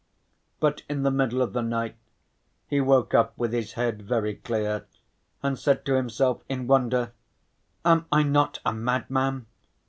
But in the middle of the night he woke up with his head very clear, and said to himself in wonder, "Am I not a madman?